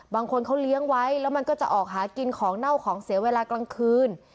บางคนเขาเลี้ยงไว้แล้วมันก็จะออกหากินของเน่าของเสียเวลากลางคืน